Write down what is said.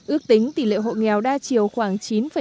ước tính tỷ lệ hộ nghèo đa chiều khoảng chín bảy